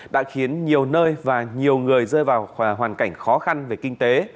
đã khiến nhiều nơi và nhiều người rơi vào hoàn cảnh khó khăn về kinh tế